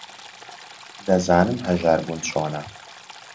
دەزانم ھەژار بوون چۆنە.